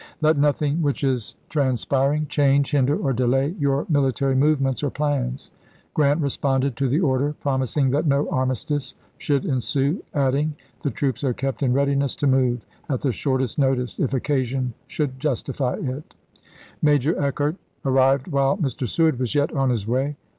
Let nothing which is transpiring change, hinder, or delay your mili ^rant,*0 tary movements or plans." Grant responded to the e ms. order, promising that no armistice should ensue, adding, " The troops are kept in readiness to move to LmSoin, at the shortest notice, if occasion should justify it." e ms. Major Eckert1 arrived while Mr. Seward was yet on his way.